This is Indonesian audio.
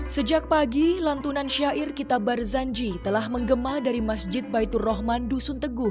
sejak pagi lantunan syair kita barzanji telah menggema dari masjid baitur rahman dusun teguh